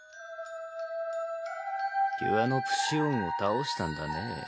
ピュアノプシオンを倒したんだね。